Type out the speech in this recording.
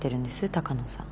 鷹野さん。